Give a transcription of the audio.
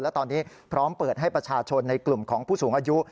และตอนนี้พร้อมเปิดให้ประชาชนในกลุ่มของผู้สูงอายุ